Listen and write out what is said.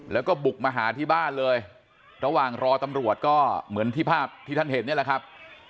แล้วก็บุกมาหาที่บ้านเลยระหว่างรอตำรวจก็เหมือนที่ภาพที่ท่านเห็นนี่แหละครับ